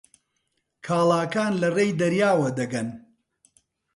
کاڵاکان لەڕێی دەریاوە دەگەن.